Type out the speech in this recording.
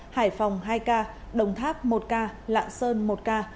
hải phòng hai ca đồng tháp một ca lạng sơn một ca